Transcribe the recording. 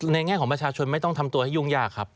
แง่ของประชาชนไม่ต้องทำตัวให้ยุ่งยากครับ